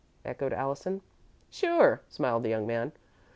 echoed Allison. "Sure," smiled the young man.